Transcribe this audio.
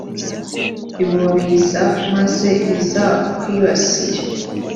ibo biza maze bizakwibasire.